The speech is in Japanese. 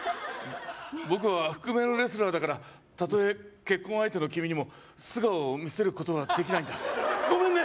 僕は覆面レスラーだからたとえ結婚相手の君にも素顔を見せることはできないんだごめんね！